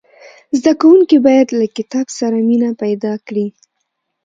زدهکوونکي باید له کتاب سره مینه پیدا کړي.